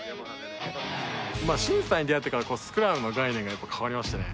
慎さんに出会ってからスクラムの概念が変わりましたね。